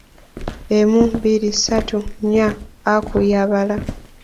Emu, bbiri, ssatu, nnya, Aku yabala.